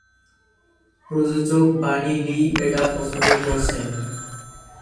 প্রযোজক Bunny Lee এটা পছন্দ করছেন।